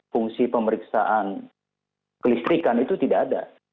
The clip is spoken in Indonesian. fungsi pemeriksaan kelistrikan itu tidak ada